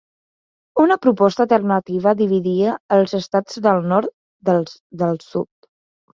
Una proposta alternativa dividia els estats del nord dels del sud.